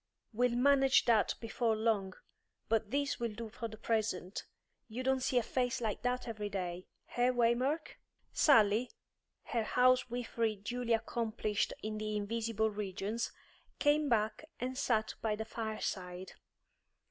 We'll manage that before long, but this will do for the present. You don't see a face like that every day; eh, Waymark?" Sally, her housewifery duly accomplished in the invisible regions, came back and sat by the fireside.